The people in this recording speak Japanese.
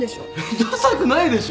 ダサくないでしょ？